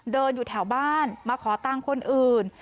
เดินอยู่แถวบ้านมาขอตังค์คนอื่น